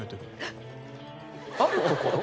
あるところ？